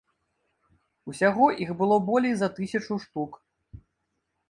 Усяго іх было болей за тысячу штук.